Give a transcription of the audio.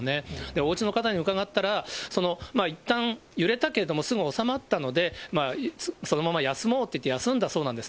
おうちの方に伺ったら、いったん揺れたけれども、すぐ収まったので、そのまま休もうといって休んだそうなんです。